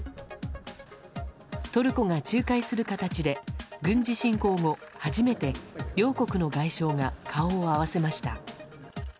トルコが仲介する形で軍事侵攻後初めて両国の外相が顔を合わせました。